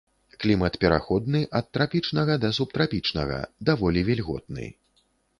Клімат пераходны ад трапічнага да субтрапічнага, даволі вільготны.